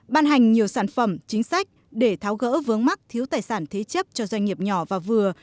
ban hành nhiều sản phẩm chính sách để tháo gỡ vướng mắc thiếu tài sản thế chấp cho doanh nghiệp nhỏ và vừa